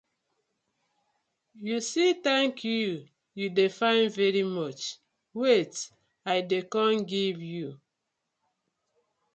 You see "thank you", you dey find "very much", wait I dey com giv you.